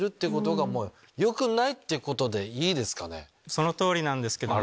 その通りなんですけども。